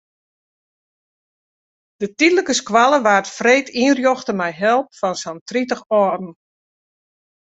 De tydlike skoalle waard freed ynrjochte mei help fan sa'n tritich âlden.